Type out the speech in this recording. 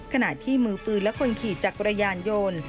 ขณะที่มือปืนและคนขี่จักรยานยนต์